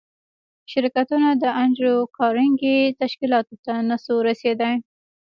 شرکتونه د انډریو کارنګي تشکیلاتو ته نشوای رسېدای